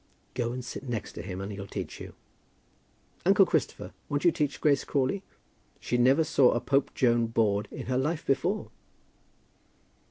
"Go and sit next to him and he'll teach you. Uncle Christopher, won't you teach Grace Crawley? She never saw a Pope Joan board in her life before."